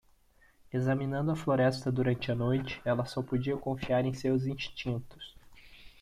Examinando a floresta durante a noite, ela só podia confiar em seus instintos.